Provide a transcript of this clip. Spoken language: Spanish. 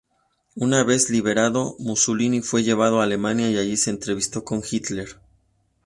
Una vez liberado, Mussolini fue llevado a Alemania y allí se entrevistó con Hitler.